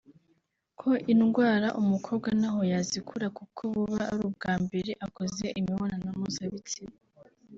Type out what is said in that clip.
ko indwara umukobwa ntaho yazikura kuko buba ari ubwa mbere akoze imibonano mpuzabitsina